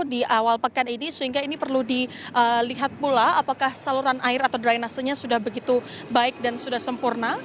di awal pekan ini sehingga ini perlu dilihat pula apakah saluran air atau drainasenya sudah begitu baik dan sudah sempurna